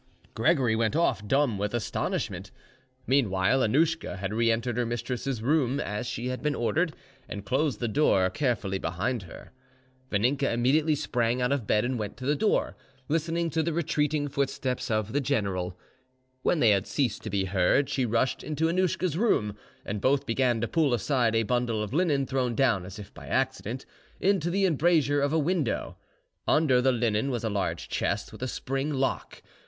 Gregory went off, dumb with astonishment. Meanwhile, Annouschka had re entered her mistress's room, as she had been ordered, and closed the door carefully behind her. Vaninka immediately sprang out of bed and went to the door, listening to the retreating footsteps of the general. When they had ceased to be heard, she rushed into Annouschka's room, and both began to pull aside a bundle of linen, thrown down, as if by accident, into the embrasure of a window. Under the linen was a large chest with a spring lock.